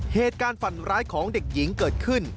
เหตุการณ์ฝันร้ายของเด็กหญิงเกิดขึ้น